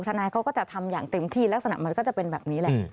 ทนายเขาก็จะทำอย่างเต็มที่ลักษณะมันก็จะเป็นแบบนี้แหละ